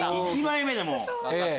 １枚目でもう。